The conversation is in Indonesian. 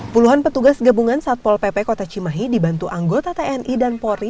puluhan petugas gabungan satpol pp kota cimahi dibantu anggota tni dan polri